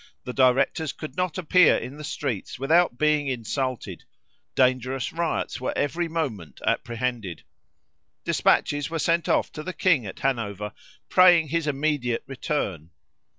The directors could not appear in the streets without being insulted; dangerous riots were every moment apprehended. Despatches were sent off to the king at Hanover, praying his immediate return.